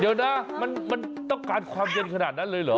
เดี๋ยวนะมันต้องการความเย็นขนาดนั้นเลยเหรอ